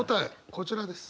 こちらです。